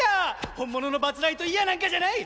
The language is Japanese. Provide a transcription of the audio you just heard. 本物のバズ・ライトイヤーなんかじゃない。